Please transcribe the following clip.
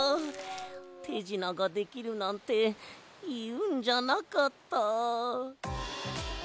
「てじなができる」なんていうんじゃなかった。